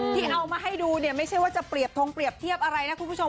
ที่เอามาให้ดูเนี่ยไม่ใช่ว่าจะเปรียบทงเปรียบเทียบอะไรนะคุณผู้ชม